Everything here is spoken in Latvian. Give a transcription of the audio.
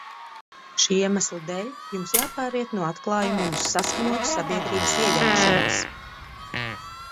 Šī iemesla dēļ jums jāpāriet no atklājumiem uz saskaņotu sabiedrības iejaukšanos.